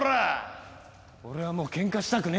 俺はもうケンカしたくねえんだよ。